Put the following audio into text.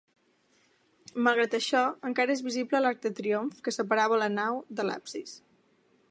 Malgrat això encara és visible l'arc de triomf que separava la nau de l'absis.